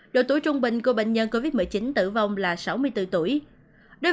độ tuổi trung bình của bệnh nhân covid một mươi chín tử vong là sáu mươi bốn tuổi